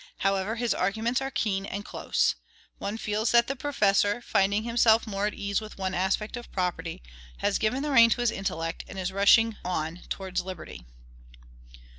However, his arguments are keen and close. One feels that the professor, finding himself more at ease with one aspect of property, has given the rein to his intellect, and is rushing on towards liberty.